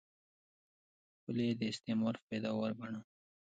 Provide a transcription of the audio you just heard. پولې یې د استعمار پیداوار ګاڼه.